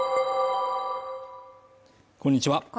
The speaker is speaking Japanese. こんにちは